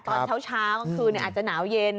ตอนเช้ากลางคืนอาจจะหนาวเย็น